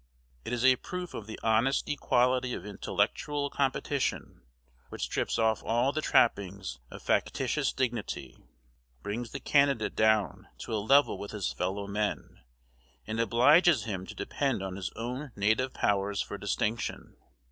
It is a proof of the honest equality of intellectual competition, which strips off all the trappings of factitious dignity, brings the candidate down to a level with his fellow men, and obliges him to depend on his own native powers for distinction.